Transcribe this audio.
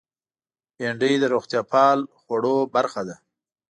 بېنډۍ د روغتیا پال خوړو برخه ده